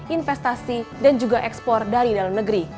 investasi dan juga ekspor dari dalam negeri